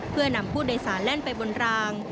เพื่อนำผู้โดยสารแล่นไปบนราง